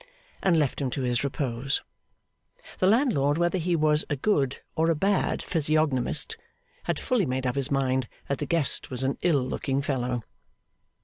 and left him to his repose. The landlord, whether he was a good or a bad physiognomist, had fully made up his mind that the guest was an ill looking fellow.